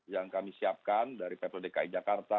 yang kami siapkan dari ppdi jakarta